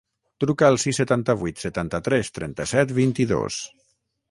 Truca al sis, setanta-vuit, setanta-tres, trenta-set, vint-i-dos.